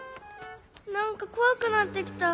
なんかこわくなってきた。